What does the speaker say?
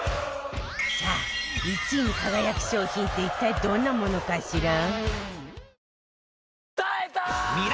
さあ１位に輝く商品って一体どんなものかしら？